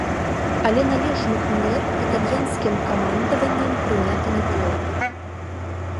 Але належных мер італьянскім камандаваннем прынята не было.